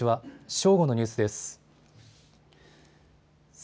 正午のニュースです。